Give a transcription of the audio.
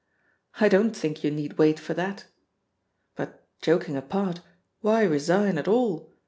"I don't think you need wait for that. But, joking apart, why resign at all?